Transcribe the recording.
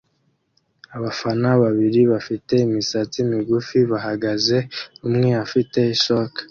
Abana babiri bafite imisatsi migufi bahagaze; umwe afite ishoka